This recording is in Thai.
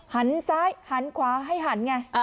หันซ้ายหันขวาให้หันไง